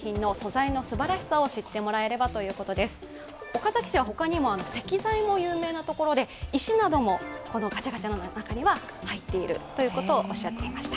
岡崎市は他にも石材も有名なところで石などもこのガチャガチャなんかには入っているとおっしゃっていました。